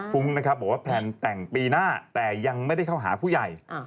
ฟุ้งนะครับบอกว่าแพลนแต่งปีหน้าแต่ยังไม่ได้เข้าหาผู้ใหญ่